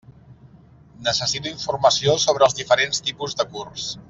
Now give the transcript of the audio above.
Necessito informació sobre els diferents tipus de curs.